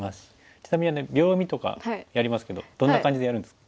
ちなみに秒読みとかやりますけどどんな感じでやるんですか？